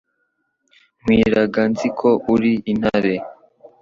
Nkwiraga nzi ko uri intare